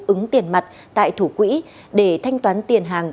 ứng tiền mặt tại thủ quỹ để thanh toán tiền hàng